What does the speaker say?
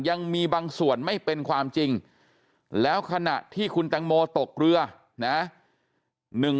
ยังมีบางส่วนไม่เป็นความจริงแล้วขณะที่คุณแตงโมตกเรือนะ